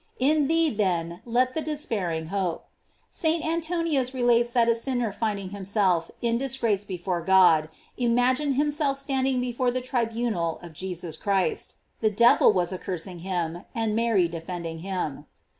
In thee, then, let the despairing hope. If St. Antoninus relates that a sinner finding himself in disgrace before God, imagin ed himself standing before the tribunal of Jesus Christ : the devil was accusing him and Mary defending him.